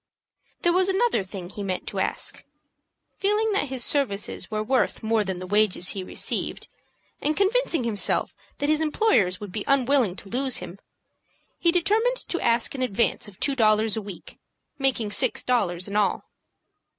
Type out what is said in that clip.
There was another thing he meant to ask. Feeling that his services were worth more than the wages he received, and convincing himself that his employers would be unwilling to lose him, he determined to ask an advance of two dollars a week, making six dollars in all.